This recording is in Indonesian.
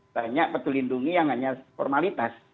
banyak pedulindungi yang hanya formalitas